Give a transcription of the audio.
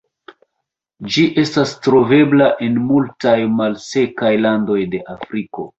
Ĝi estas trovebla en multaj malsekaj landoj de Afriko.